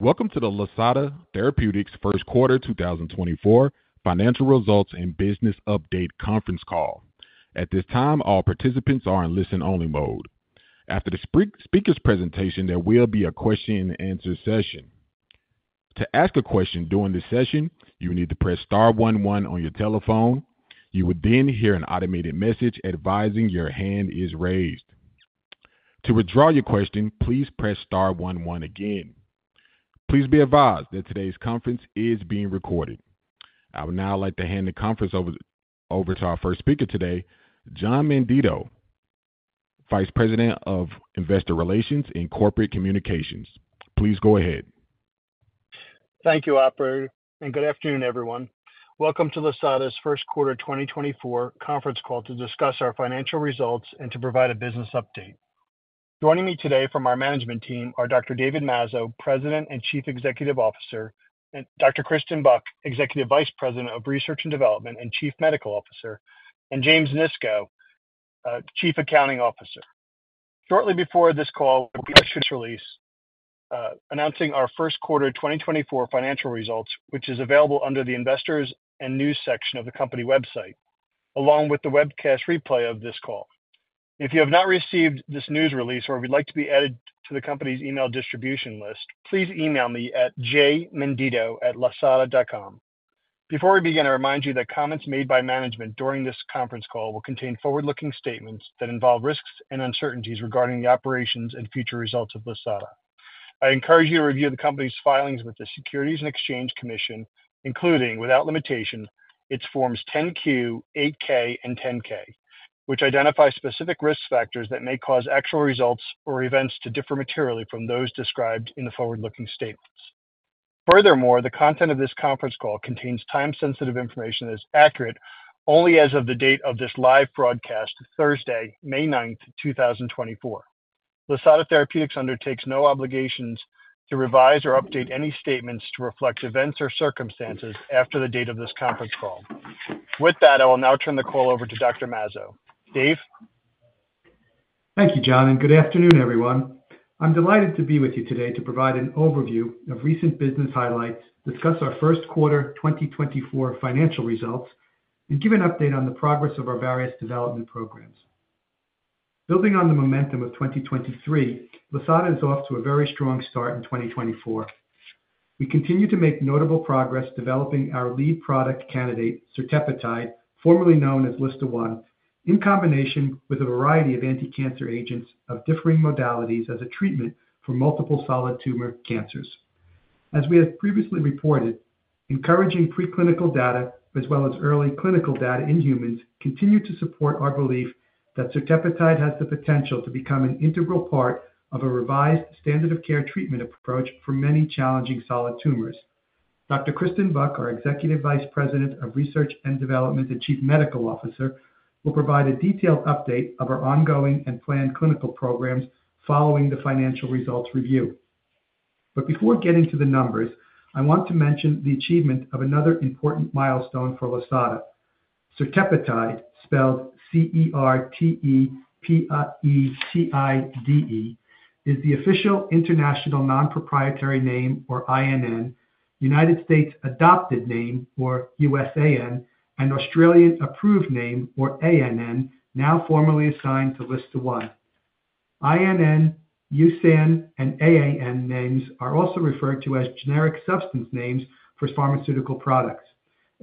Welcome to the Lisata Therapeutics First Quarter 2024 Financial Results and Business Update Conference Call. At this time, all participants are in listen-only mode. After the speaker's presentation, there will be a question-and-answer session. To ask a question during this session, you need to press star one one on your telephone. You will then hear an automated message advising your hand is raised. To withdraw your question, please press star 11 again. Please be advised that today's conference is being recorded. I would now like to hand the conference over to our first speaker today, John Menditto, Vice President of Investor Relations and Corporate Communications. Please go ahead. Thank you, Operator, and good afternoon, everyone. Welcome to Lisata's first quarter 2024 conference call to discuss our financial results and to provide a business update. Joining me today from our management team are Dr. David Mazzo, President and Chief Executive Officer, and Dr. Kristen Buck, Executive Vice President of Research and Development and Chief Medical Officer, and James Nisco, Chief Accounting Officer. Shortly before this call, we are going to release announcing our first quarter 2024 financial results, which is available under the Investors and News section of the company website, along with the webcast replay of this call. If you have not received this news release or would like to be added to the company's email distribution list, please email me at jmenditto@lisata.com. Before we begin, I remind you that comments made by management during this conference call will contain forward-looking statements that involve risks and uncertainties regarding the operations and future results of Lisata. I encourage you to review the company's filings with the Securities and Exchange Commission, including, without limitation, its Forms 10-Q, 8-K, and 10-K, which identify specific risk factors that may cause actual results or events to differ materially from those described in the forward-looking statements. Furthermore, the content of this conference call contains time-sensitive information that is accurate only as of the date of this live broadcast, Thursday, May 9th, 2024. Lisata Therapeutics undertakes no obligations to revise or update any statements to reflect events or circumstances after the date of this conference call. With that, I will now turn the call over to Dr. Mazzo. Dave? Thank you, John, and good afternoon, everyone. I'm delighted to be with you today to provide an overview of recent business highlights, discuss our first quarter 2024 financial results, and give an update on the progress of our various development programs. Building on the momentum of 2023, Lisata is off to a very strong start in 2024. We continue to make notable progress developing our lead product candidate, certepetide, formerly known as LSTA1, in combination with a variety of anticancer agents of differing modalities as a treatment for multiple solid tumor cancers. As we have previously reported, encouraging preclinical data as well as early clinical data in humans continue to support our belief that certepetide has the potential to become an integral part of a revised standard-of-care treatment approach for many challenging solid tumors. Dr. Kristen Buck, our Executive Vice President of Research and Development and Chief Medical Officer, will provide a detailed update of our ongoing and planned clinical programs following the financial results review. Before getting to the numbers, I want to mention the achievement of another important milestone for Lisata. Certepetide, spelled C-E-R-T-E-P-E-T-I-D-E, is the official International Nonproprietary Name, or INN, United States Adopted Name, or USAN, and Australian Approved Name, or AAN, now formally assigned to LSTA1. INN, USAN, and AAN names are also referred to as generic substance names for pharmaceutical products.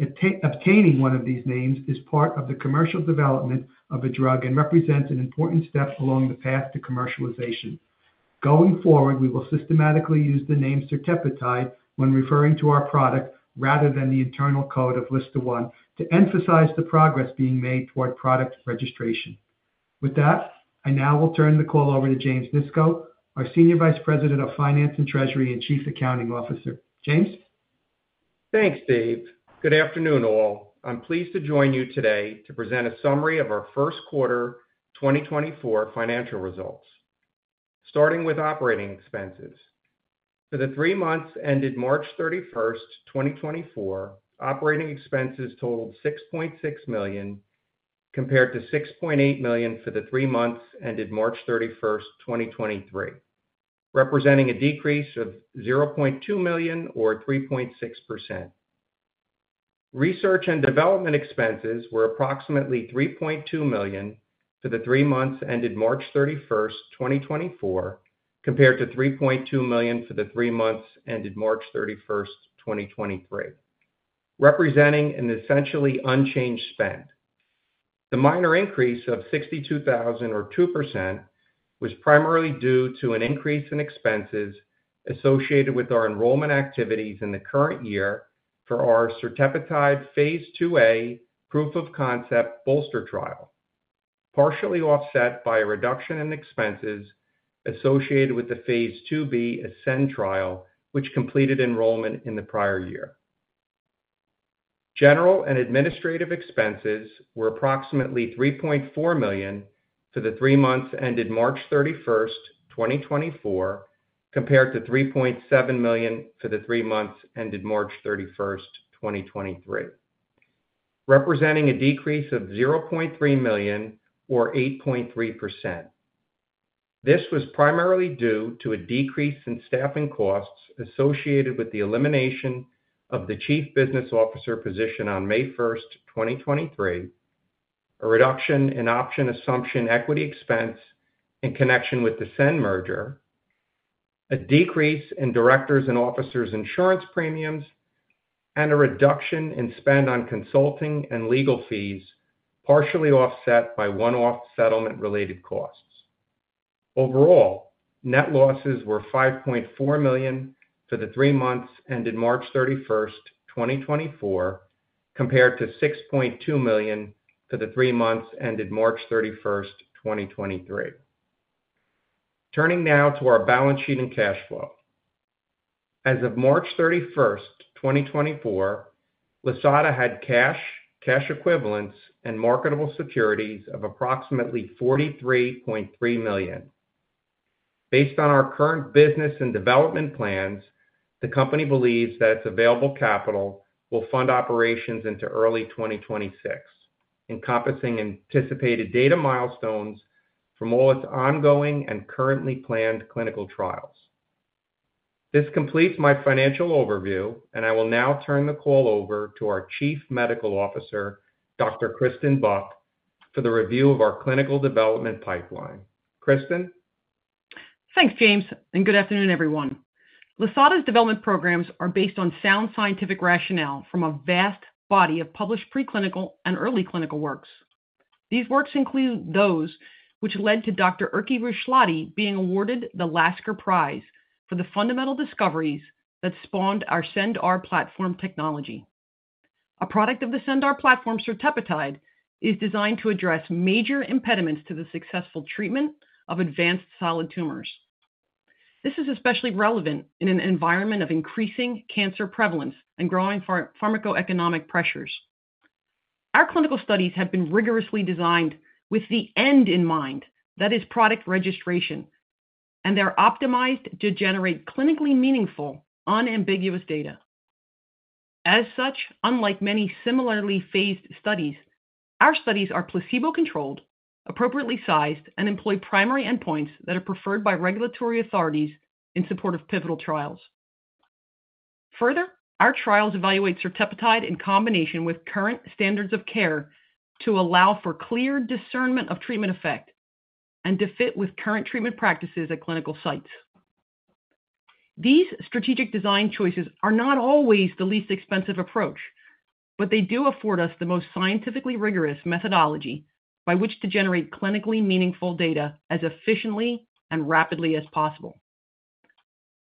Obtaining one of these names is part of the commercial development of a drug and represents an important step along the path to commercialization. Going forward, we will systematically use the name certepetide when referring to our product rather than the internal code of LSTA1 to emphasize the progress being made toward product registration. With that, I now will turn the call over to James Nisco, our Senior Vice President of Finance and Treasury and Chief Accounting Officer. James? Thanks, Dave. Good afternoon, all. I'm pleased to join you today to present a summary of our first quarter 2024 financial results, starting with operating expenses. For the three months ended March 31st, 2024, operating expenses totaled $6.6 million compared to $6.8 million for the three months ended March 31st, 2023, representing a decrease of $0.2 million or 3.6%. Research and development expenses were approximately $3.2 million for the three months ended March 31st, 2024, compared to $3.2 million for the three months ended March 31st, 2023, representing an essentially unchanged spend. The minor increase of $62,000 or 2% was primarily due to an increase in expenses associated with our enrollment activities in the current year for our certepetide phase II-A proof of concept BOLSTER trial, partially offset by a reduction in expenses associated with the phase II-B ASCEND trial, which completed enrollment in the prior year. General and administrative expenses were approximately $3.4 million for the three months ended March 31st, 2024, compared to $3.7 million for the three months ended March 31st, 2023, representing a decrease of $0.3 million or 8.3%. This was primarily due to a decrease in staffing costs associated with the elimination of the Chief Business Officer position on May 1st, 2023, a reduction in option assumption equity expense in connection with the Cend merger, a decrease in directors and officers' insurance premiums, and a reduction in spend on consulting and legal fees, partially offset by one-off settlement-related costs. Overall, net losses were $5.4 million for the three months ended March 31st, 2024, compared to $6.2 million for the three months ended March 31st, 2023. Turning now to our balance sheet and cash flow. As of March 31st, 2024, Lisata had cash, cash equivalents, and marketable securities of approximately $43.3 million. Based on our current business and development plans, the company believes that its available capital will fund operations into early 2026, encompassing anticipated data milestones from all its ongoing and currently planned clinical trials. This completes my financial overview, and I will now turn the call over to our Chief Medical Officer, Dr. Kristen Buck, for the review of our clinical development pipeline. Kristen? Thanks, James, and good afternoon, everyone. Lisata's development programs are based on sound scientific rationale from a vast body of published preclinical and early clinical works. These works include those which led to Dr. Erkki Ruoslahti being awarded the Lasker Prize for the fundamental discoveries that spawned our CendR platform technology. A product of the CendR platform, certepetide, is designed to address major impediments to the successful treatment of advanced solid tumors. This is especially relevant in an environment of increasing cancer prevalence and growing pharmacoeconomic pressures. Our clinical studies have been rigorously designed with the end in mind, that is, product registration, and they're optimized to generate clinically meaningful, unambiguous data. As such, unlike many similarly phased studies, our studies are placebo-controlled, appropriately sized, and employ primary endpoints that are preferred by regulatory authorities in support of pivotal trials. Further, our trials evaluate certepetide in combination with current standards of care to allow for clear discernment of treatment effect and to fit with current treatment practices at clinical sites. These strategic design choices are not always the least expensive approach, but they do afford us the most scientifically rigorous methodology by which to generate clinically meaningful data as efficiently and rapidly as possible.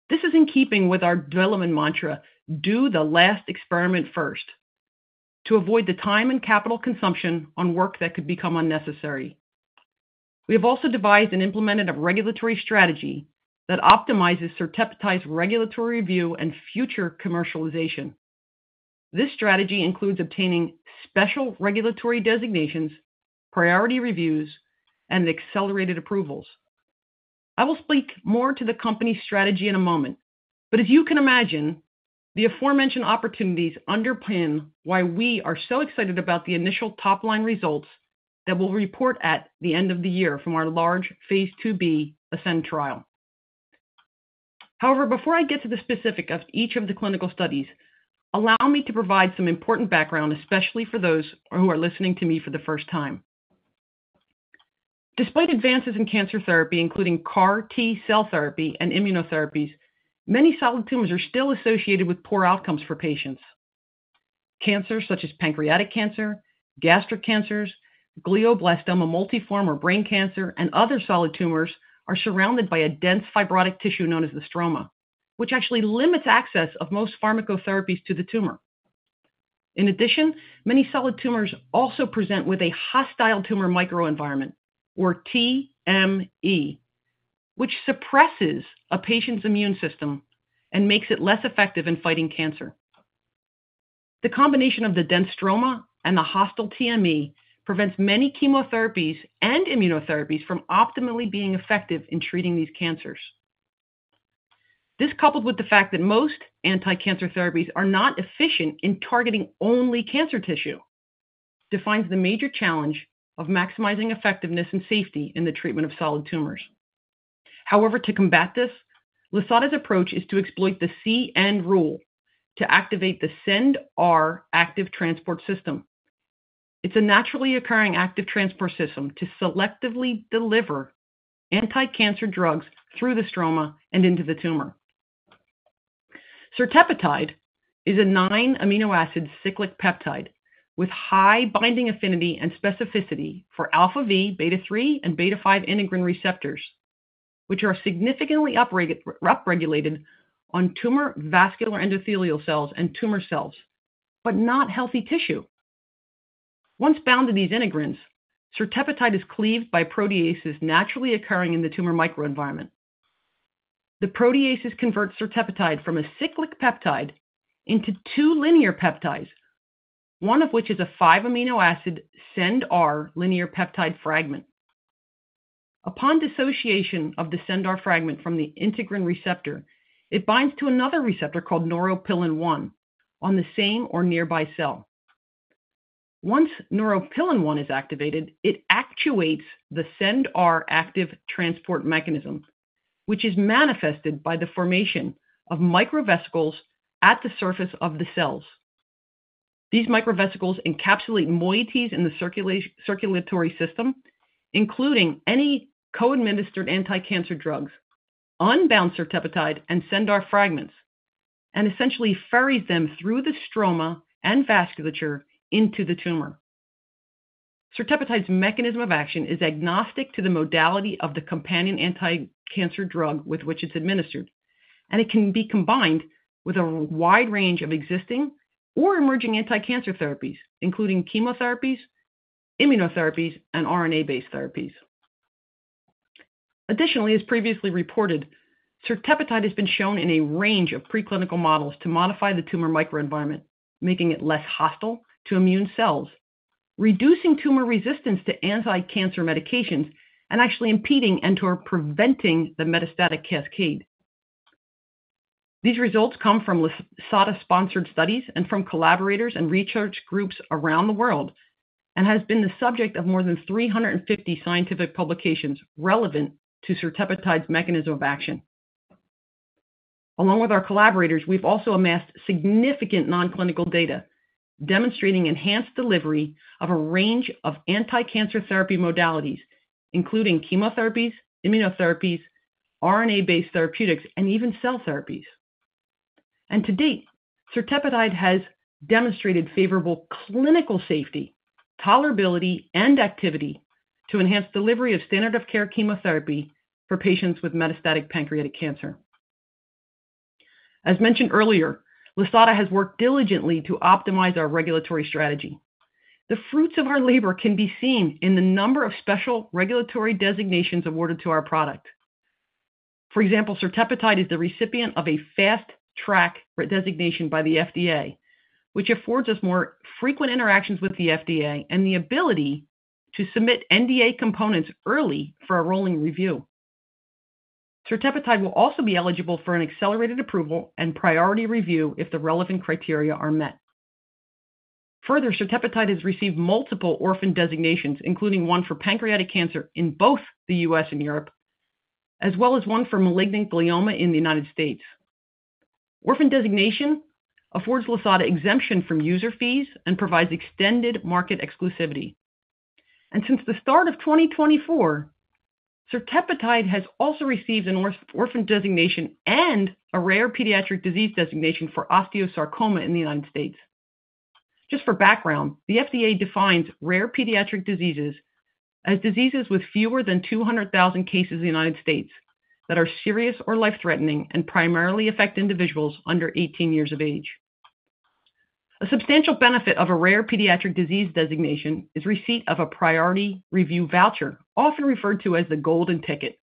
This is in keeping with our development mantra, "Do the last experiment first," to avoid the time and capital consumption on work that could become unnecessary. We have also devised and implemented a regulatory strategy that optimizes certepetide's regulatory review and future commercialization. This strategy includes obtaining special regulatory designations, priority reviews, and accelerated approvals. I will speak more to the company's strategy in a moment, but as you can imagine, the aforementioned opportunities underpin why we are so excited about the initial top-line results that we'll report at the end of the year from our large phase II-B ASCEND trial. However, before I get to the specific of each of the clinical studies, allow me to provide some important background, especially for those who are listening to me for the first time. Despite advances in cancer therapy, including CAR-T cell therapy and immunotherapies, many solid tumors are still associated with poor outcomes for patients. Cancers such as pancreatic cancer, gastric cancers, glioblastoma multiforme, or brain cancer, and other solid tumors are surrounded by a dense fibrotic tissue known as the stroma, which actually limits access of most pharmacotherapies to the tumor. In addition, many solid tumors also present with a hostile tumor microenvironment, or TME, which suppresses a patient's immune system and makes it less effective in fighting cancer. The combination of the dense stroma and the hostile TME prevents many chemotherapies and immunotherapies from optimally being effective in treating these cancers. This, coupled with the fact that most anticancer therapies are not efficient in targeting only cancer tissue, defines the major challenge of maximizing effectiveness and safety in the treatment of solid tumors. However, to combat this, Lisata's approach is to exploit the CendR rule to activate the CendR active transport system. It's a naturally occurring active transport system to selectively deliver anticancer drugs through the stroma and into the tumor. Certepetide is a nine-amino acid cyclic peptide with high binding affinity and specificity for alpha-v, beta-3, and beta-5 integrin receptors, which are significantly upregulated on tumor vascular endothelial cells and tumor cells, but not healthy tissue. Once bound to these integrins, certepetide is cleaved by proteases naturally occurring in the tumor microenvironment. The proteases convert certepetide from a cyclic peptide into two linear peptides, one of which is a five-amino acid CendR linear peptide fragment. Upon dissociation of the CendR fragment from the integrin receptor, it binds to another receptor called neuropilin-1 on the same or nearby cell. Once neuropilin-1 is activated, it actuates the CendR active transport mechanism, which is manifested by the formation of microvesicles at the surface of the cells. These microvesicles encapsulate moieties in the circulatory system, including any co-administered anticancer drugs, unbound certepetide and CendR fragments, and essentially ferries them through the stroma and vasculature into the tumor. Certepetide's mechanism of action is agnostic to the modality of the companion anticancer drug with which it's administered, and it can be combined with a wide range of existing or emerging anticancer therapies, including chemotherapies, immunotherapies, and RNA-based therapies. Additionally, as previously reported, certepetide has been shown in a range of preclinical models to modify the tumor microenvironment, making it less hostile to immune cells, reducing tumor resistance to anticancer medications, and actually impeding and/or preventing the metastatic cascade. These results come from Lisata-sponsored studies and from collaborators and research groups around the world and have been the subject of more than 350 scientific publications relevant to certepetide's mechanism of action. Along with our collaborators, we've also amassed significant nonclinical data demonstrating enhanced delivery of a range of anticancer therapy modalities, including chemotherapies, immunotherapies, RNA-based therapeutics, and even cell therapies. And to date, certepetide has demonstrated favorable clinical safety, tolerability, and activity to enhance delivery of standard-of-care chemotherapy for patients with metastatic pancreatic cancer. As mentioned earlier, Lisata has worked diligently to optimize our regulatory strategy. The fruits of our labor can be seen in the number of special regulatory designations awarded to our product. For example, certepetide is the recipient of a fast-track designation by the FDA, which affords us more frequent interactions with the FDA and the ability to submit NDA components early for a rolling review. Certepetide will also be eligible for an accelerated approval and priority review if the relevant criteria are met. Further, certepetide has received multiple orphan designations, including one for pancreatic cancer in both the U.S. and Europe, as well as one for malignant glioma in the United States. Orphan designation affords Lisata exemption from user fees and provides extended market exclusivity. Since the start of 2024, certepetide has also received an orphan designation and a rare pediatric disease designation for osteosarcoma in the United States. Just for background, the FDA defines rare pediatric diseases as diseases with fewer than 200,000 cases in the United States that are serious or life-threatening and primarily affect individuals under 18 years of age. A substantial benefit of a rare pediatric disease designation is receipt of a priority review voucher, often referred to as the golden ticket,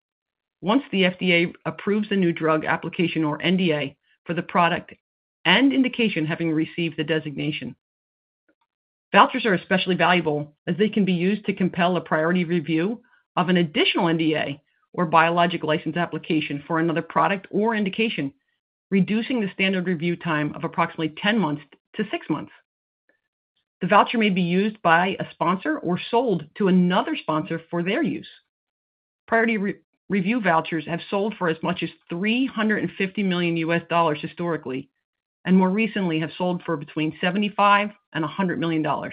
once the FDA approves a new drug application or NDA for the product and indication having received the designation. Vouchers are especially valuable as they can be used to compel a priority review of an additional NDA or biologic license application for another product or indication, reducing the standard review time of approximately 10 months to six months. The voucher may be used by a sponsor or sold to another sponsor for their use. Priority review vouchers have sold for as much as $350 million historically and more recently have sold for between $75 million-$100 million.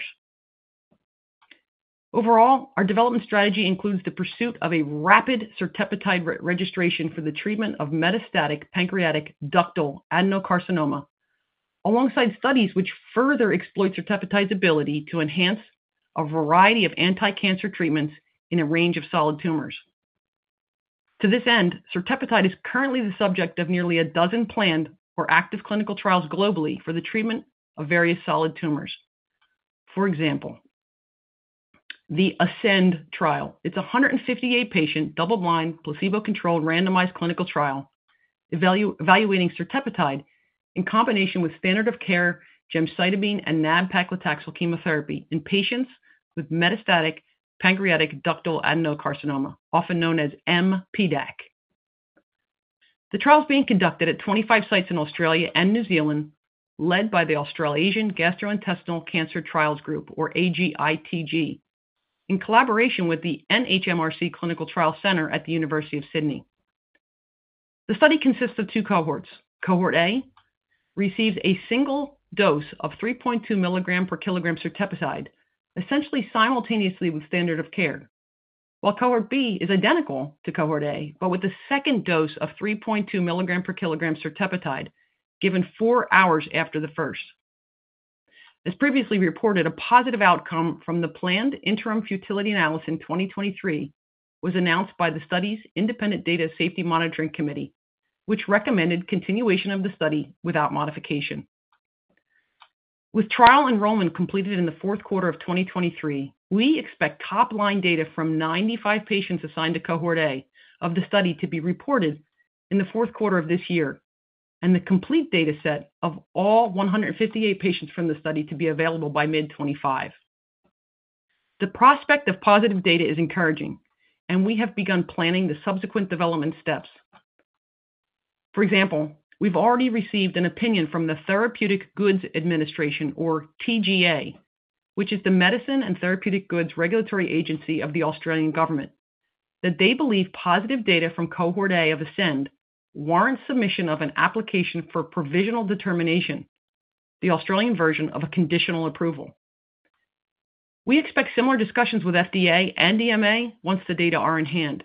Overall, our development strategy includes the pursuit of a rapid certepetide registration for the treatment of metastatic pancreatic ductal adenocarcinoma, alongside studies which further exploit certepetide's ability to enhance a variety of anticancer treatments in a range of solid tumors. To this end, certepetide is currently the subject of nearly a dozen planned or active clinical trials globally for the treatment of various solid tumors. For example, the ASCEND trial. It's a 158-patient, double-blind, placebo-controlled, randomized clinical trial evaluating certepetide in combination with standard-of-care gemcitabine and nab-paclitaxel chemotherapy in patients with metastatic pancreatic ductal adenocarcinoma, often known as mPDAC. The trial's being conducted at 25 sites in Australia and New Zealand, led by the Australasian Gastrointestinal Cancer Trials Group, or AGITG, in collaboration with the NHMRC Clinical Trials Centre at the University of Sydney. The study consists of two cohorts. Cohort A receives a single dose of 3.2 milligrams per kilogram certepetide, essentially simultaneously with standard of care, while Cohort B is identical to Cohort A but with a second dose of 3.2 milligrams per kilogram certepetide given four hours after the first. As previously reported, a positive outcome from the planned interim futility analysis in 2023 was announced by the study's Independent Data Safety Monitoring Committee, which recommended continuation of the study without modification. With trial enrollment completed in the fourth quarter of 2023, we expect top-line data from 95 patients assigned to Cohort A of the study to be reported in the fourth quarter of this year, and the complete dataset of all 158 patients from the study to be available by mid-2025. The prospect of positive data is encouraging, and we have begun planning the subsequent development steps. For example, we've already received an opinion from the Therapeutic Goods Administration, or TGA, which is the medicine and therapeutic goods regulatory agency of the Australian Government, that they believe positive data from Cohort A of ASCEND warrants submission of an application for provisional determination, the Australian version of a conditional approval. We expect similar discussions with FDA and EMA once the data are in hand.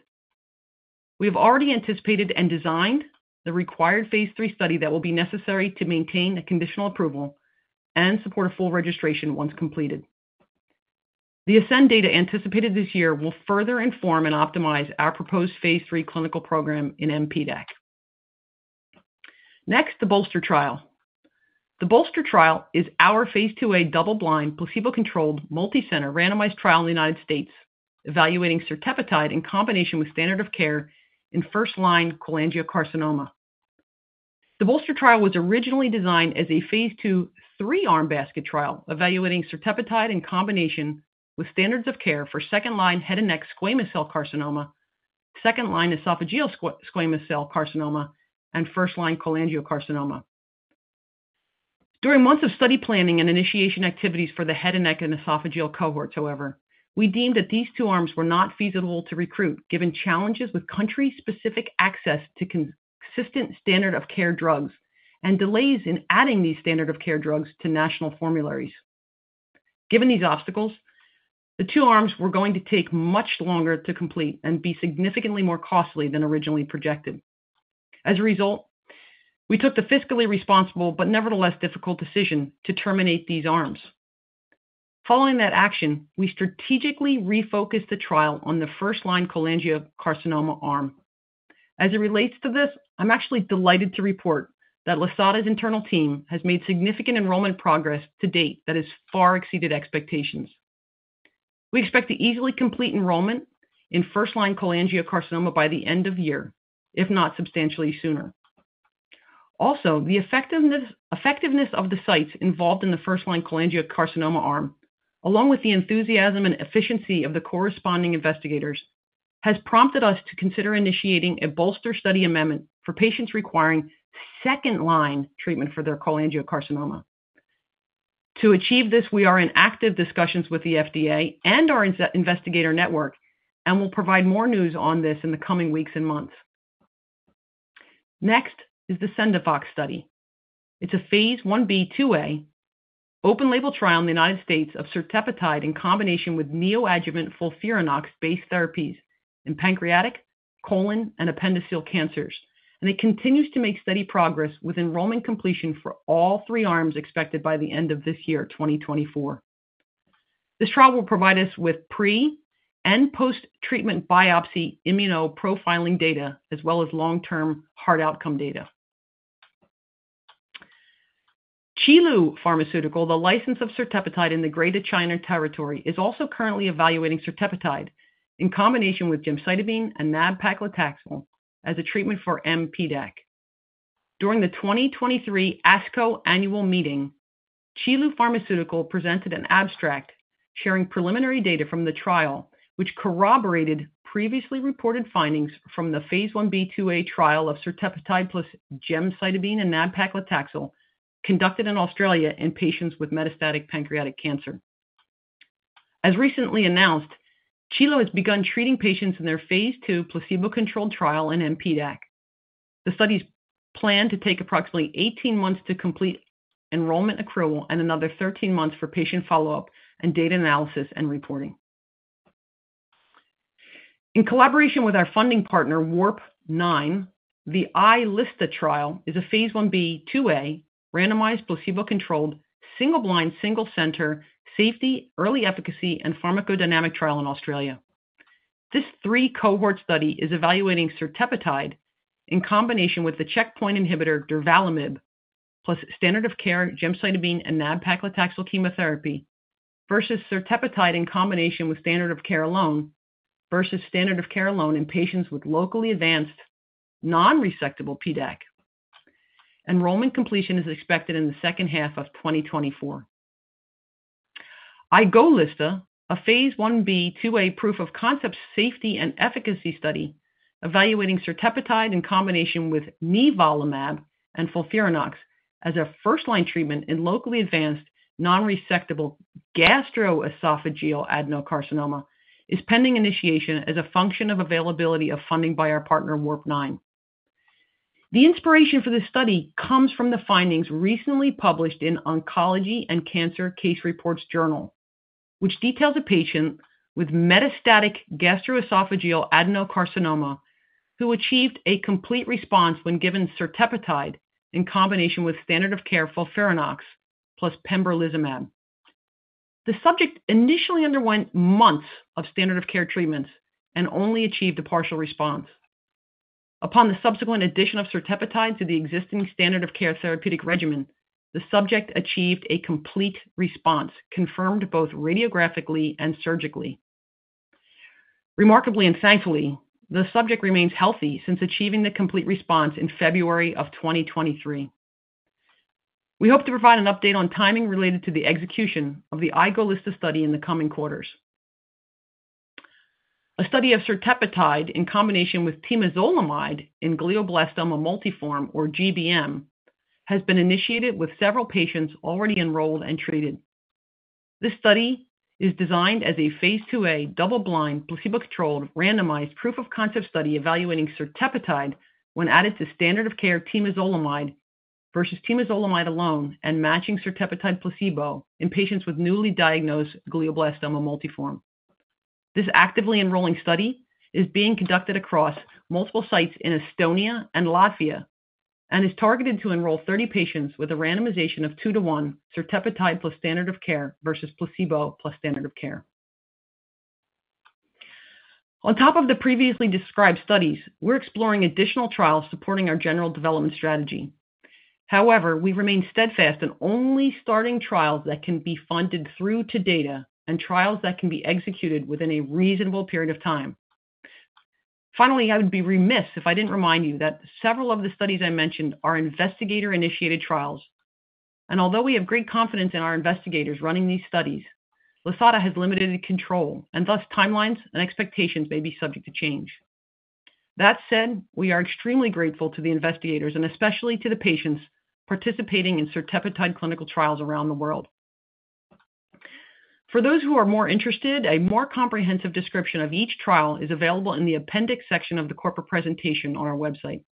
We have already anticipated and designed the required phase III study that will be necessary to maintain a conditional approval and support a full registration once completed. The ASCEND data anticipated this year will further inform and optimize our proposed phase III clinical program in mPDAC. Next, the BOLSTER trial. The BOLSTER trial is our phase II-A double-blind, placebo-controlled, multicenter, randomized trial in the United States evaluating certepetide in combination with standard of care in first-line cholangiocarcinoma. The BOLSTER trial was originally designed as a phase II three-arm basket trial evaluating certepetide in combination with standards of care for second-line head and neck squamous cell carcinoma, second-line esophageal squamous cell carcinoma, and first-line cholangiocarcinoma. During months of study planning and initiation activities for the head and neck and esophageal cohorts, however, we deemed that these two arms were not feasible to recruit given challenges with country-specific access to consistent standard-of-care drugs and delays in adding these standard-of-care drugs to national formularies. Given these obstacles, the two arms were going to take much longer to complete and be significantly more costly than originally projected. As a result, we took the fiscally responsible but nevertheless difficult decision to terminate these arms. Following that action, we strategically refocused the trial on the first-line cholangiocarcinoma arm. As it relates to this, I'm actually delighted to report that Lisata's internal team has made significant enrollment progress to date that has far exceeded expectations. We expect to easily complete enrollment in first-line cholangiocarcinoma by the end of year, if not substantially sooner. Also, the effectiveness of the sites involved in the first-line cholangiocarcinoma arm, along with the enthusiasm and efficiency of the corresponding investigators, has prompted us to consider initiating a BOLSTER study amendment for patients requiring second-line treatment for their cholangiocarcinoma. To achieve this, we are in active discussions with the FDA and our investigator network and will provide more news on this in the coming weeks and months. Next is the CENDIFOX study. It's a phase I-B/II-A open-label trial in the United States of certepetide in combination with neoadjuvant FOLFIRINOX-based therapies in pancreatic, colon, and appendiceal cancers, and it continues to make study progress with enrollment completion for all three arms expected by the end of this year, 2024. This trial will provide us with pre- and post-treatment biopsy immunoprofiling data, as well as long-term heart outcome data. Qilu Pharmaceutical, the licensee of certepetide in the Greater China Territory, is also currently evaluating certepetide in combination with gemcitabine and nab-paclitaxel as a treatment for mPDAC. During the 2023 ASCO Annual Meeting, Qilu Pharmaceutical presented an abstract sharing preliminary data from the trial, which corroborated previously reported findings from the phase I-B/II-A trial of certepetide plus gemcitabine and nab-paclitaxel conducted in Australia in patients with metastatic pancreatic cancer. As recently announced, Qilu has begun treating patients in their phase II placebo-controlled trial in mPDAC. The study is planned to take approximately 18 months to complete enrollment, approval, and another 13 months for patient follow-up and data analysis and reporting. In collaboration with our funding partner, WARPNINE, the iLSTA trial is a phase I-B/II-A randomized placebo-controlled, single-blind, single-center safety, early efficacy, and pharmacodynamic trial in Australia. This three-cohort study is evaluating certepetide in combination with the checkpoint inhibitor durvalumab plus standard-of-care gemcitabine and nab-paclitaxel chemotherapy versus certepetide in combination with standard-of-care alone versus standard-of-care alone in patients with locally advanced non-resectable PDAC. Enrollment completion is expected in the second half of 2024. iGOLISTA, a phase I-B/II-A proof-of-concept safety and efficacy study evaluating certepetide in combination with nivolumab and FOLFIRINOX as a first-line treatment in locally advanced non-resectable gastroesophageal adenocarcinoma, is pending initiation as a function of availability of funding by our partner, WARPNINE. The inspiration for this study comes from the findings recently published in Oncology and Cancer Case Reports Journal, which details a patient with metastatic gastroesophageal adenocarcinoma who achieved a complete response when given certepetide in combination with standard-of-care FOLFIRINOX plus pembrolizumab. The subject initially underwent months of standard-of-care treatments and only achieved a partial response. Upon the subsequent addition of certepetide to the existing standard-of-care therapeutic regimen, the subject achieved a complete response confirmed both radiographically and surgically. Remarkably and thankfully, the subject remains healthy since achieving the complete response in February of 2023. We hope to provide an update on timing related to the execution of the iGOLISTA study in the coming quarters. A study of certepetide in combination with temozolomide in glioblastoma multiforme, or GBM, has been initiated with several patients already enrolled and treated. This study is designed as a phase II-A double-blind, placebo-controlled, randomized proof-of-concept study evaluating certepetide when added to standard-of-care temozolomide versus temozolomide alone and matching certepetide placebo in patients with newly diagnosed glioblastoma multiforme. This actively enrolling study is being conducted across multiple sites in Estonia and Latvia and is targeted to enroll 30 patients with a randomization of 2-to-1 certepetide plus standard-of-care versus placebo plus standard-of-care. On top of the previously described studies, we're exploring additional trials supporting our general development strategy. However, we remain steadfast in only starting trials that can be funded through to data and trials that can be executed within a reasonable period of time. Finally, I would be remiss if I didn't remind you that several of the studies I mentioned are investigator-initiated trials, and although we have great confidence in our investigators running these studies, Lisata has limited control, and thus timelines and expectations may be subject to change. That said, we are extremely grateful to the investigators and especially to the patients participating in certepetide clinical trials around the world. For those who are more interested, a more comprehensive description of each trial is available in the appendix section of the corporate presentation on our website.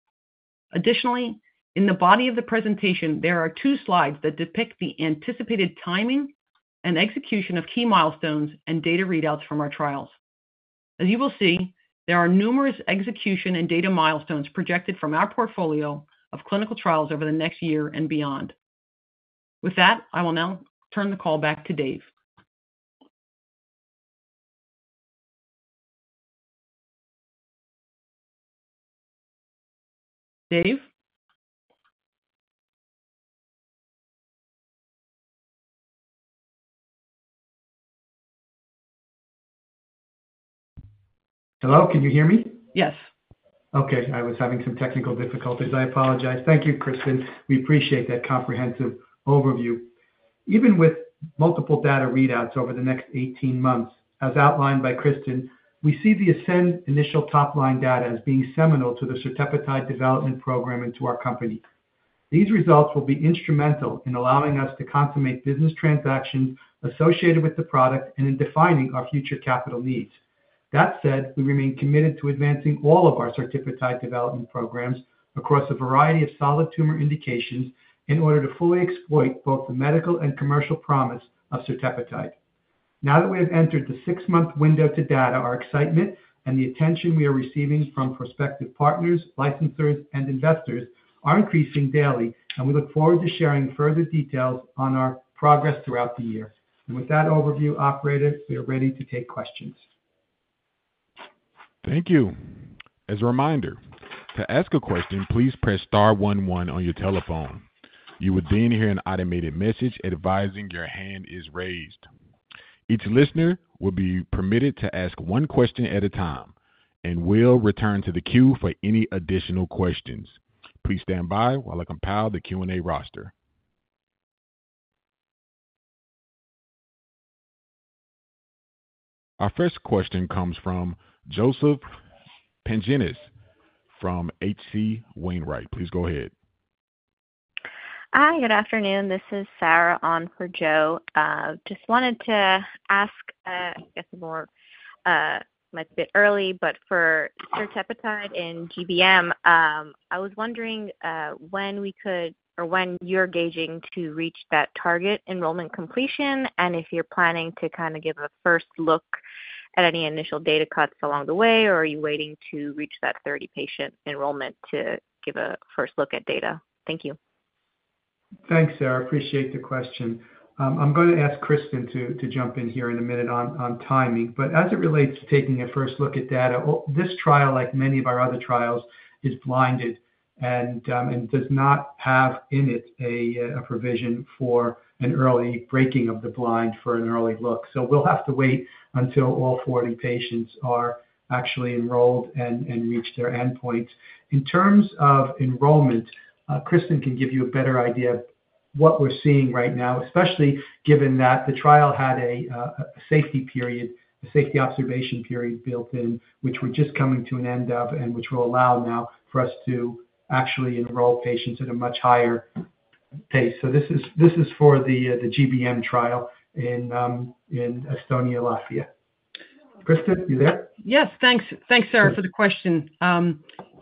Additionally, in the body of the presentation, there are two slides that depict the anticipated timing and execution of key milestones and data readouts from our trials. As you will see, there are numerous execution and data milestones projected from our portfolio of clinical trials over the next year and beyond. With that, I will now turn the call back to Dave. Dave? Hello. Can you hear me? Yes. Okay. I was having some technical difficulties. I apologize. Thank you, Kristen. We appreciate that comprehensive overview. Even with multiple data readouts over the next 18 months, as outlined by Kristen, we see the ASCEND initial top-line data as being seminal to the certepetide development program into our company. These results will be instrumental in allowing us to consummate business transactions associated with the product and in defining our future capital needs. That said, we remain committed to advancing all of our certepetide development programs across a variety of solid tumor indications in order to fully exploit both the medical and commercial promise of certepetide. Now that we have entered the six-month window to data, our excitement and the attention we are receiving from prospective partners, licensors, and investors are increasing daily, and we look forward to sharing further details on our progress throughout the year. With that overview, operator, we are ready to take questions. Thank you. As a reminder, to ask a question, please press star 11 on your telephone. You will then hear an automated message advising your hand is raised. Each listener will be permitted to ask one question at a time and will return to the queue for any additional questions. Please stand by while I compile the Q&A roster. Our first question comes from Joseph Pantginis from H.C. Wainwright. Please go ahead. Hi. Good afternoon. This is Sarah on for Joe. Just wanted to ask I guess it might be a bit early, but for certepetide and GBM, I was wondering when we could or when you're gauging to reach that target enrollment completion and if you're planning to kind of give a first look at any initial data cuts along the way, or are you waiting to reach that 30-patient enrollment to give a first look at data? Thank you. Thanks, Sarah. Appreciate the question. I'm going to ask Kristen to jump in here in a minute on timing. But as it relates to taking a first look at data, this trial, like many of our other trials, is blinded and does not have in it a provision for an early breaking of the blind for an early look. So we'll have to wait until all 40 patients are actually enrolled and reach their endpoints. In terms of enrollment, Kristen can give you a better idea of what we're seeing right now, especially given that the trial had a safety observation period built in, which we're just coming to an end of and which will allow now for us to actually enroll patients at a much higher pace. So this is for the GBM trial in Estonia-Latvia. Kristen, you there? Yes. Thanks, Sarah, for the question.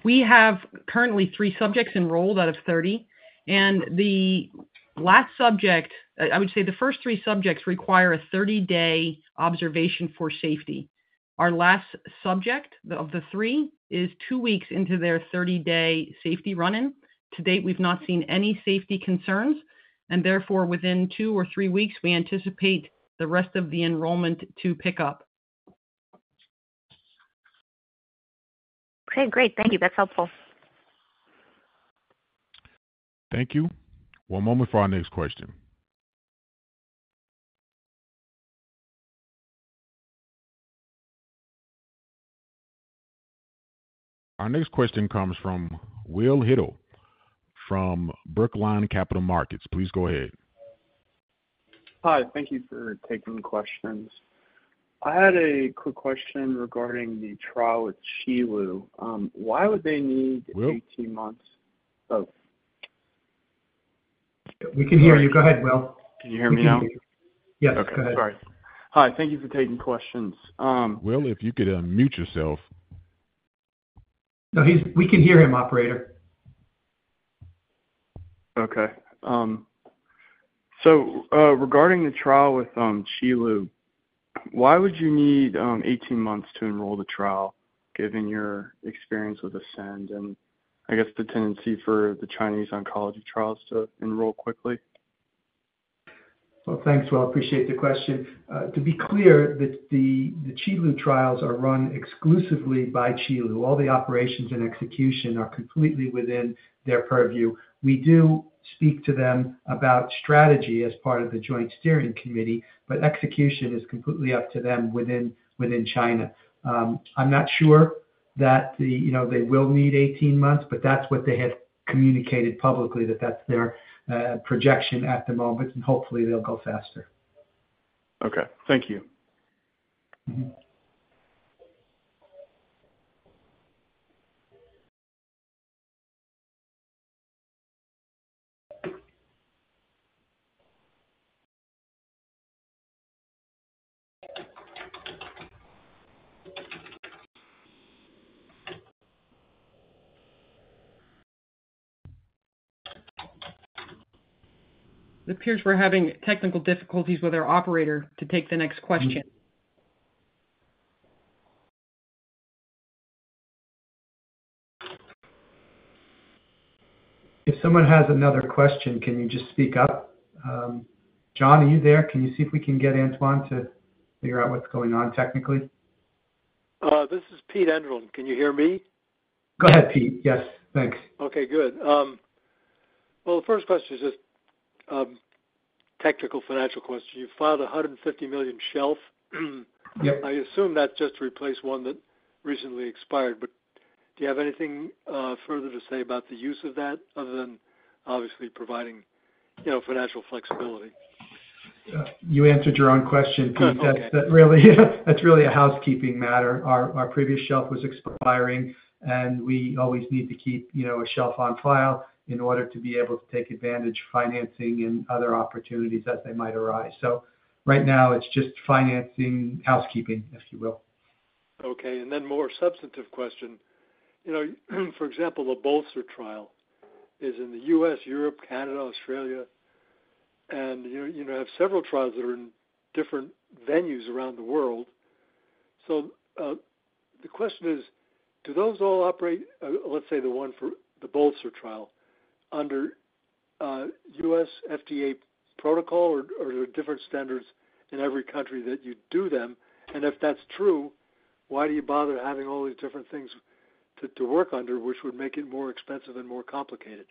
We have currently three subjects enrolled out of 30, and the last subject I would say the first three subjects require a 30-day observation for safety. Our last subject of the three is two weeks into their 30-day safety run-in. To date, we've not seen any safety concerns, and therefore, within two or three weeks, we anticipate the rest of the enrollment to pick up. Okay. Great. Thank you. That's helpful. Thank you. One moment for our next question. Our next question comes from Will Hidell from Brookline Capital Markets. Please go ahead. Hi. Thank you for taking questions. I had a quick question regarding the trial with Qilu. Why would they need 18 months? Will? Oh. We can hear you. Go ahead, Will. Can you hear me now? Yes. Go ahead. Okay. Sorry. Hi. Thank you for taking questions. Will, if you could mute yourself. No, we can hear him, operator. Okay. So regarding the trial with Qilu, why would you need 18 months to enroll the trial given your experience with ASCEND and, I guess, the tendency for the Chinese oncology trials to enroll quickly? Well, thanks. Well, I appreciate the question. To be clear, the Qilu trials are run exclusively by Qilu. All the operations and execution are completely within their purview. We do speak to them about strategy as part of the joint steering committee, but execution is completely up to them within China. I'm not sure that they will need 18 months, but that's what they have communicated publicly, that that's their projection at the moment, and hopefully, they'll go faster. Okay. Thank you. It appears we're having technical difficulties with our operator to take the next question. If someone has another question, can you just speak up? John, are you there? Can you see if we can get Antoine to figure out what's going on technically? This is Peter Enderlin. Can you hear me? Go ahead, Pete. Yes. Thanks. Okay. Good. Well, the first question is just a technical financial question. You filed a $150 million shelf. I assume that's just to replace one that recently expired, but do you have anything further to say about the use of that other than, obviously, providing financial flexibility? You answered your own question, Pete. That's really a housekeeping matter. Our previous shelf was expiring, and we always need to keep a shelf on file in order to be able to take advantage of financing and other opportunities as they might arise. So right now, it's just financing housekeeping, if you will. Okay. And then more substantive question. For example, the BOLSTER trial is in the U.S., Europe, Canada, Australia, and you have several trials that are in different venues around the world. So the question is, do those all operate, let's say the one for the BOLSTER trial, under U.S. FDA protocol, or are there different standards in every country that you do them? And if that's true, why do you bother having all these different things to work under, which would make it more expensive and more complicated?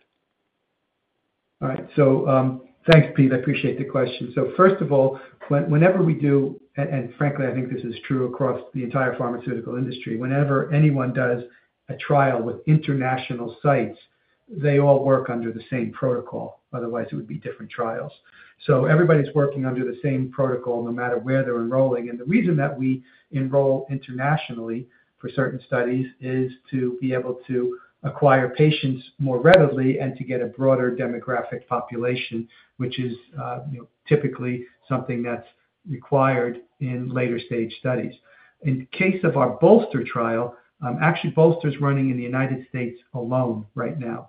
All right. So thanks, Pete. I appreciate the question. So first of all, whenever we do and frankly, I think this is true across the entire pharmaceutical industry. Whenever anyone does a trial with international sites, they all work under the same protocol. Otherwise, it would be different trials. So everybody's working under the same protocol no matter where they're enrolling. And the reason that we enroll internationally for certain studies is to be able to acquire patients more readily and to get a broader demographic population, which is typically something that's required in later-stage studies. In case of our BOLSTER trial actually, BOLSTER's running in the United States alone right now.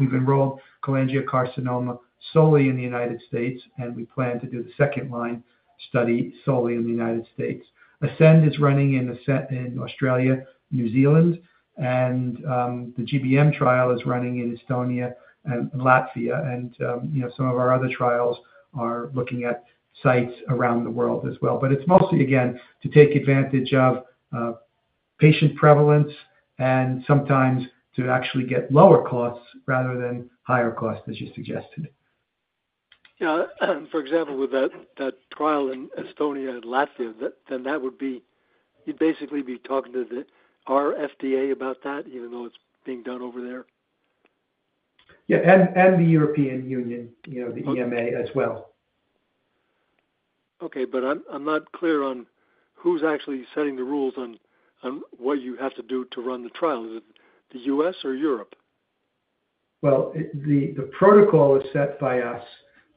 We've enrolled cholangiocarcinoma solely in the United States, and we plan to do the second-line study solely in the United States. ASCEND is running in Australia, New Zealand, and the GBM trial is running in Estonia and Latvia. Some of our other trials are looking at sites around the world as well. But it's mostly, again, to take advantage of patient prevalence and sometimes to actually get lower costs rather than higher costs, as you suggested. For example, with that trial in Estonia and Latvia, then that would be you'd basically be talking to our FDA about that, even though it's being done over there? Yeah. And the European Union, the EMA as well. Okay. But I'm not clear on who's actually setting the rules on what you have to do to run the trial. Is it the U.S. or Europe? Well, the protocol is set by us.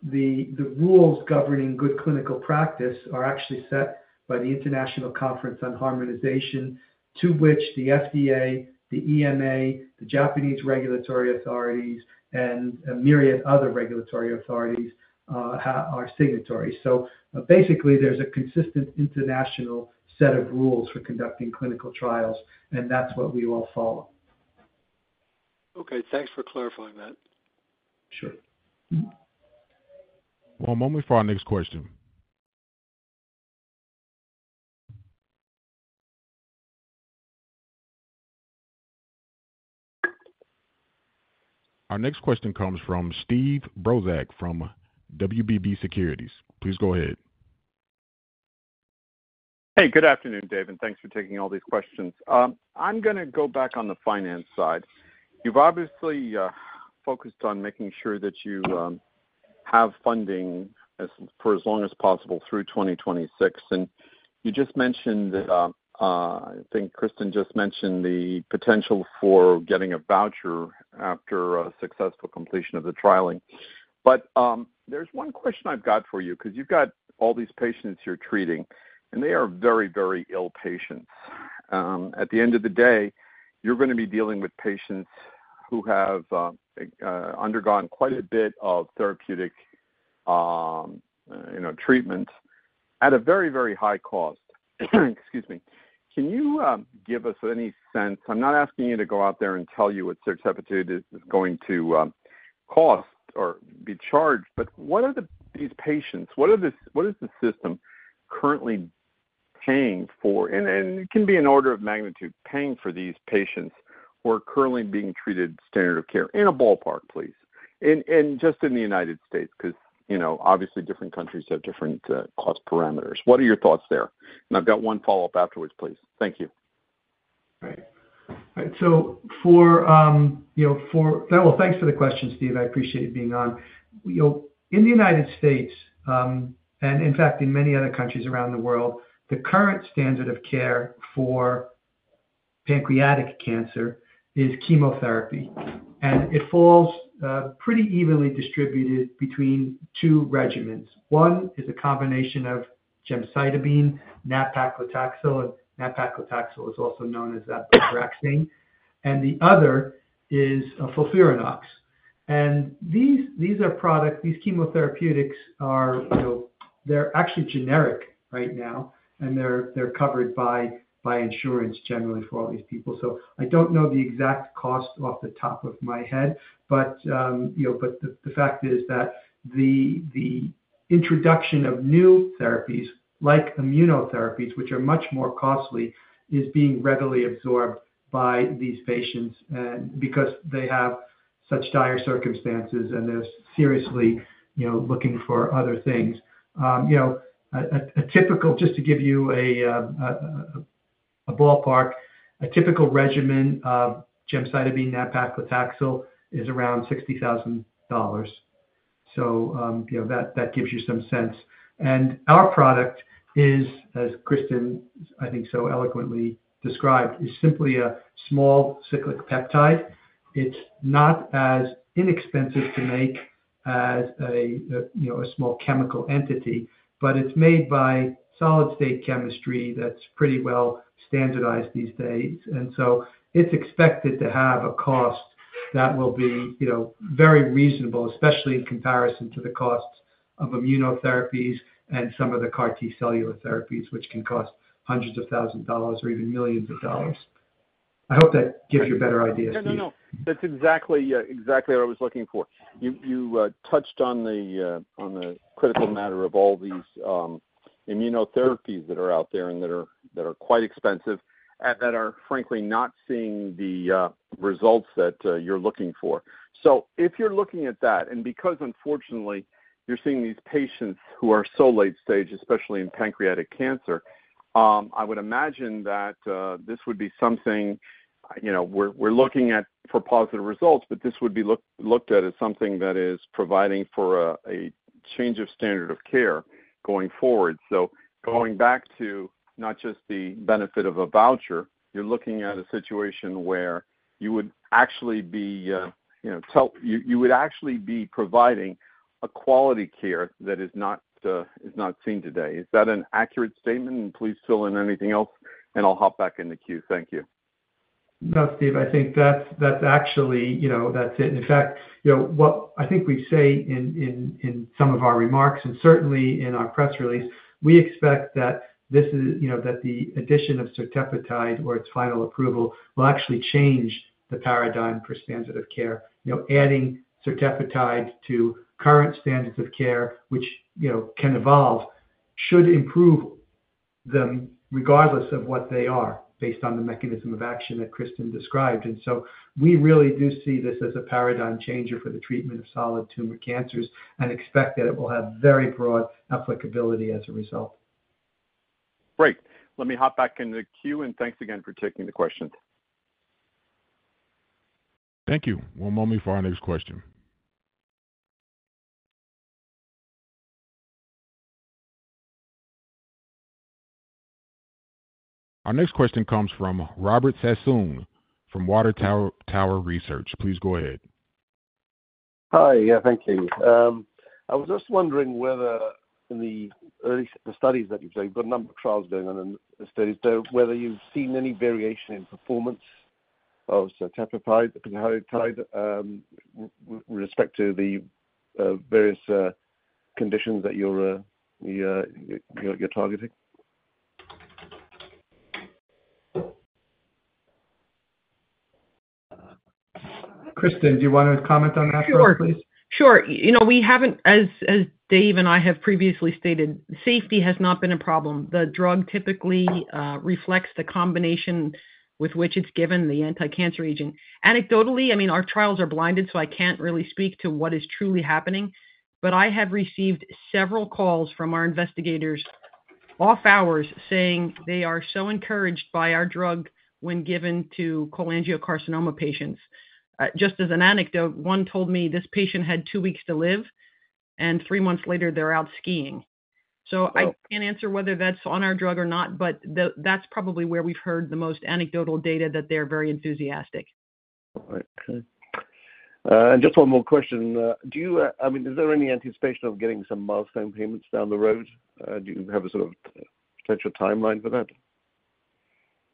The rules governing good clinical practice are actually set by the International Conference on Harmonization, to which the FDA, the EMA, the Japanese regulatory authorities, and a myriad other regulatory authorities are signatories. So basically, there's a consistent international set of rules for conducting clinical trials, and that's what we all follow. Okay. Thanks for clarifying that. Sure. One moment for our next question. Our next question comes from Steve Brozak from WBB Securities. Please go ahead. Hey. Good afternoon, David. Thanks for taking all these questions. I'm going to go back on the finance side. You've obviously focused on making sure that you have funding for as long as possible through 2026. And you just mentioned that I think Kristen just mentioned the potential for getting a voucher after successful completion of the trial. But there's one question I've got for you because you've got all these patients you're treating, and they are very, very ill patients. At the end of the day, you're going to be dealing with patients who have undergone quite a bit of therapeutic treatment at a very, very high cost. Excuse me. Can you give us any sense? I'm not asking you to go out there and tell you what certepetide is going to cost or be charged, but what are these patients what is the system currently paying for? It can be an order of magnitude. Paying for these patients who are currently being treated standard of care in a ballpark, please, and just in the United States because, obviously, different countries have different cost parameters. What are your thoughts there? And I've got one follow-up afterwards, please. Thank you. Right. Right. So for that, well, thanks for the question, Steve. I appreciate you being on. In the United States and, in fact, in many other countries around the world, the current standard of care for pancreatic cancer is chemotherapy, and it falls pretty evenly distributed between two regimens. One is a combination of gemcitabine, nab-paclitaxel, and nab-paclitaxel is also known as Abraxane. And the other is FOLFIRINOX. And these chemotherapeutics, they're actually generic right now, and they're covered by insurance generally for all these people. So I don't know the exact cost off the top of my head, but the fact is that the introduction of new therapies, like immunotherapies, which are much more costly, is being readily absorbed by these patients because they have such dire circumstances and they're seriously looking for other things. Just to give you a ballpark, a typical regimen of gemcitabine, nab-paclitaxel is around $60,000. So that gives you some sense. And our product is, as Kristen, I think, so eloquently described, is simply a small cyclic peptide. It's not as inexpensive to make as a small chemical entity, but it's made by solid-state chemistry that's pretty well standardized these days. And so it's expected to have a cost that will be very reasonable, especially in comparison to the costs of immunotherapies and some of the CAR-T cell therapies, which can cost hundreds of thousands of dollars or even millions of dollars. I hope that gives you a better idea, Steve. No, no, no. That's exactly what I was looking for. You touched on the critical matter of all these immunotherapies that are out there and that are, frankly, not seeing the results that you're looking for. So if you're looking at that and because, unfortunately, you're seeing these patients who are so late-stage, especially in pancreatic cancer, I would imagine that this would be something we're looking at for positive results, but this would be looked at as something that is providing for a change of standard of care going forward. So going back to not just the benefit of a voucher, you're looking at a situation where you would actually be you would actually be providing a quality care that is not seen today. Is that an accurate statement? And please fill in anything else, and I'll hop back in the queue. Thank you. No, Steve. I think that's actually it. In fact, what I think we say in some of our remarks and certainly in our press release, we expect that the addition of certepetide or its final approval will actually change the paradigm for standard of care. Adding certepetide to current standards of care, which can evolve, should improve them regardless of what they are based on the mechanism of action that Kristen described. So we really do see this as a paradigm changer for the treatment of solid tumor cancers and expect that it will have very broad applicability as a result. Great. Let me hop back in the queue, and thanks again for taking the questions. Thank you. One moment for our next question. Our next question comes from Robert Sassoon from Water Tower Research. Please go ahead. Hi. Yeah. Thank you. I was just wondering whether in the studies that you've done you've got a number of trials going on in the studies, whether you've seen any variation in performance of certepetide with respect to the various conditions that you're targeting. Kristen, do you want to comment on that first, please? Sure. Sure. We haven't, as Dave and I have previously stated, safety has not been a problem. The drug typically reflects the combination with which it's given, the anticancer agent. Anecdotally, I mean, our trials are blinded, so I can't really speak to what is truly happening. But I have received several calls from our investigators off hours saying they are so encouraged by our drug when given to cholangiocarcinoma patients. Just as an anecdote, one told me this patient had two weeks to live, and three months later, they're out skiing. So I can't answer whether that's on our drug or not, but that's probably where we've heard the most anecdotal data that they're very enthusiastic. All right. Okay. Just one more question. I mean, is there any anticipation of getting some milestone payments down the road? Do you have a sort of potential timeline for that?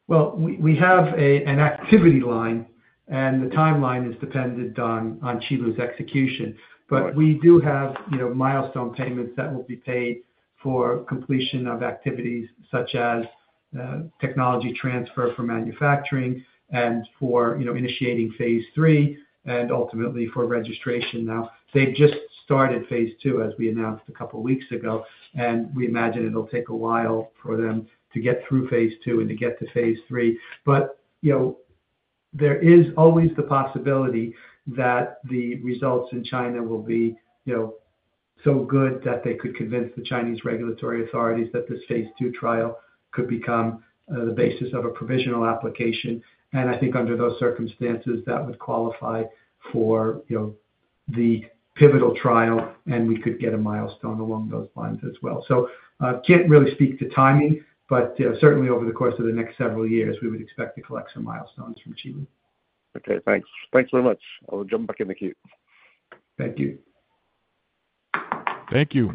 Well, we have an activity line, and the timeline is dependent on Qilu's execution. But we do have milestone payments that will be paid for completion of activities such as technology transfer for manufacturing and for initiating phase III and ultimately for registration. Now, they've just started phase II as we announced a couple of weeks ago, and we imagine it'll take a while for them to get through phase II and to get to phase III. But there is always the possibility that the results in China will be so good that they could convince the Chinese regulatory authorities that this phase II trial could become the basis of a provisional application. And I think under those circumstances, that would qualify for the pivotal trial, and we could get a milestone along those lines as well. Can't really speak to timing, but certainly, over the course of the next several years, we would expect to collect some milestones from Qilu. Okay. Thanks. Thanks very much. I'll jump back in the queue. Thank you. Thank you.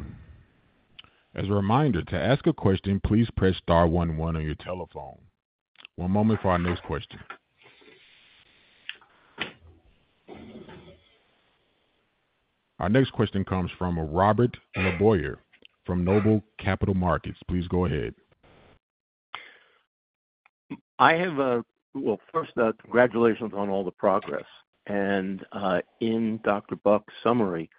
As a reminder, to ask a question, please press star one one on your telephone. One moment for our next question. Our next question comes from Robert LeBoyer from Noble Capital Markets. Please go ahead. Well, first, congratulations on all the progress. In Dr. Buck's summary,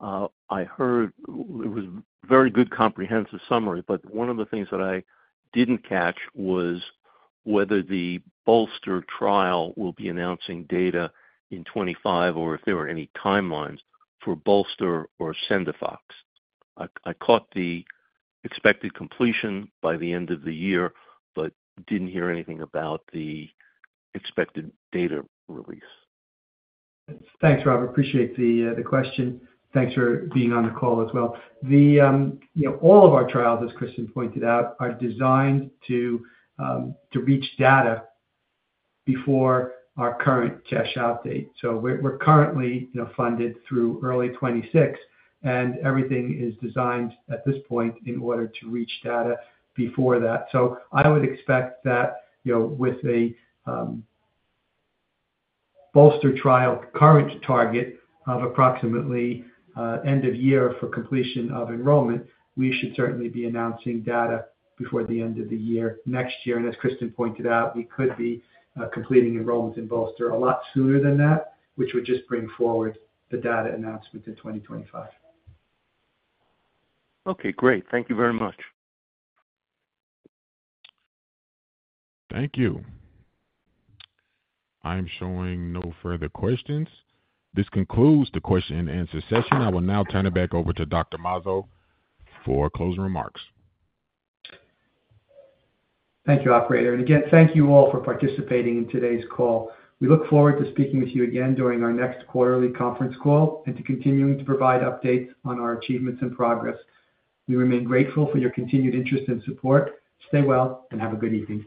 I heard it was a very good, comprehensive summary, but one of the things that I didn't catch was whether the BOLSTER trial will be announcing data in 2025 or if there were any timelines for BOLSTER or CENDIFOX. I caught the expected completion by the end of the year but didn't hear anything about the expected data release. Thanks, Rob. Appreciate the question. Thanks for being on the call as well. All of our trials, as Kristen pointed out, are designed to reach data before our current cash outdate. We're currently funded through early 2026, and everything is designed at this point in order to reach data before that. I would expect that with a BOLSTER trial current target of approximately end of year for completion of enrollment, we should certainly be announcing data before the end of the year next year. As Kristen pointed out, we could be completing enrollment in BOLSTER a lot sooner than that, which would just bring forward the data announcement in 2025. Okay. Great. Thank you very much. Thank you. I'm showing no further questions. This concludes the question-and-answer session. I will now turn it back over to Dr. Mazzo for closing remarks. Thank you, operator. Again, thank you all for participating in today's call. We look forward to speaking with you again during our next quarterly conference call and to continuing to provide updates on our achievements and progress. We remain grateful for your continued interest and support. Stay well, and have a good evening.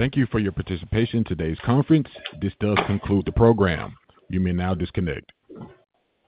Thank you for your participation in today's conference. This does conclude the program. You may now disconnect.